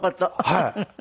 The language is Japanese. はい。